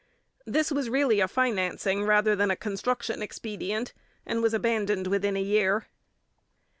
This was really a financing rather than a construction expedient, and was abandoned within a year.